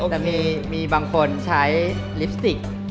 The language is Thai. แต่มีบางคนใช้ลิปสติก